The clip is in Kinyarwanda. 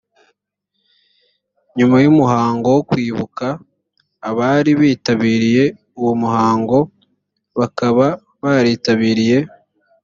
nyuma y umuhango wo kwibuka abari bitabiriye uwo muhango bakaba baritabiriye